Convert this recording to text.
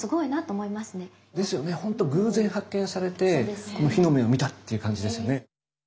ほんと偶然発見されて日の目を見たっていう感じですよね。